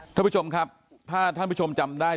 ท่านผู้ชมครับถ้าท่านผู้ชมจำได้